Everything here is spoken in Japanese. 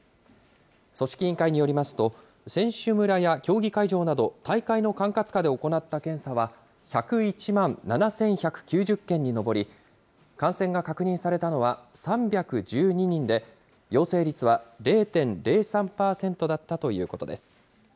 組織委員会によりますと、選手村や競技会場など、大会の管轄下で行った検査は１０１万７１９０件に上り、感染が確認されたのは３１２人で、陽性率は０．０３％だったということです。